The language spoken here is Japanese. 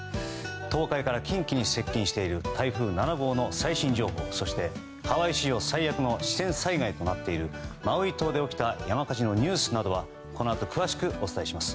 東海から近畿に接近している台風７号の最新情報そして、ハワイ史上最悪の自然災害となっているマウイ島で起きた山火事のニュースなどはこのあと詳しくお伝えします。